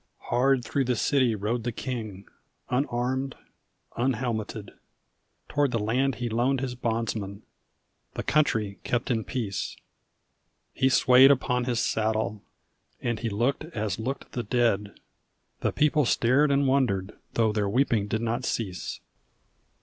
Hard through the city rode the king, unarmed, unhelmeted, Toward the land he loaned his bondsmen, the country kept in peace; He swayed upon his saddle, and he looked as looked the dead The people stared and wondered though their weeping did not cease.